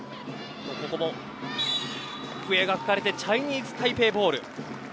ここも笛が吹かれてチャイニーズタイペイボール。